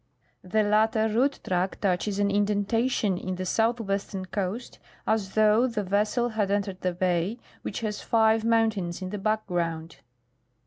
The latter route track touches an indentation in the southwestern coast, as though the vessel had entered the bay, which has five mountains in the background.